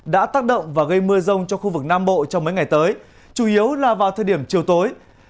đã tác động và gây mưa rông cho khu vực nam bộ trong mấy ngày tới chủ yếu là vào thời điểm chiều tối